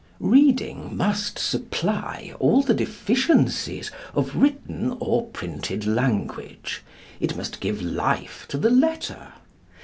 Reading must supply all the deficiencies of written or printed language. It must give life to the letter.